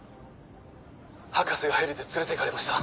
博士がヘリで連れて行かれました。